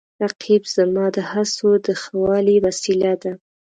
رقیب زما د هڅو د ښه والي وسیله ده